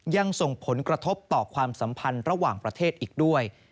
ยังส่งผลกระทบต่อความสัมพันธ์ระหว่างประเทศอีกด้วย